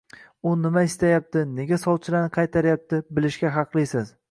U nima istayapti, nega sovchilarni qaytaryapti bilishga haqlisiz